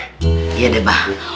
iya deh mbah